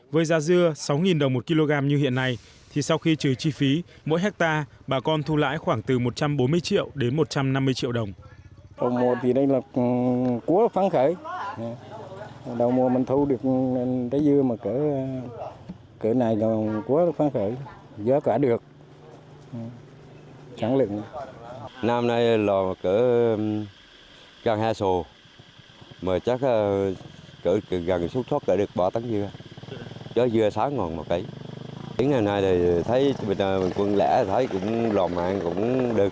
với giá dưa sáu đồng một kg như hiện nay thì sau khi trừ chi phí mỗi hectare bà con thu lãi khoảng từ một trăm bốn mươi triệu đến một trăm năm mươi triệu đồng